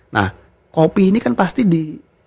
nah kopi ini kan pasti di